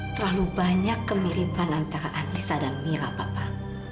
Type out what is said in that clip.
terlalu banyak kemiripan antara anissa dan mira bapak